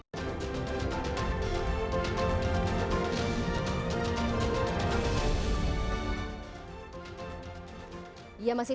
mas firy terima kasih